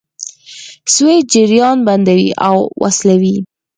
سویچ جریان بندوي او وصلوي.